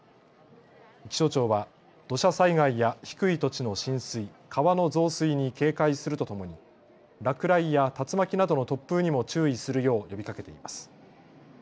気象庁は土砂災害や低い土地の浸水、川の増水に警戒するとともに落雷や竜巻などの突風にも注意するよう呼びかけています。